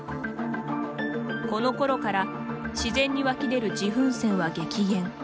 このころから自然に湧き出る自噴泉は激減。